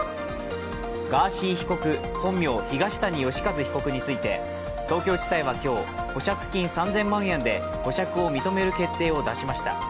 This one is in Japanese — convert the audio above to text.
ガーシー被告、本名・東谷義和被告について東京地裁は今日保釈金３０００万円で保釈を認める決定を出しました。